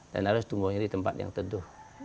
dan harus tumbuhnya di tempat yang tentu